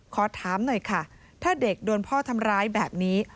ขอถามหน่อยค่ะถ้าเด็กโดนพ่อทำร้ายแบบนี้